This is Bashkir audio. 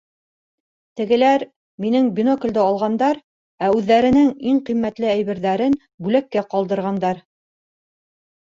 Тегеләр минең биноклде алғандар, ә үҙҙәренең иң ҡиммәтле әйберҙәрен бүләккә ҡалдырғандар.